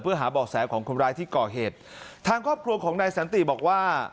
เพื่อหาบ่อแสของคนร้ายที่ก่อเหตุทางครอบครัวของนายสันติบอกว่า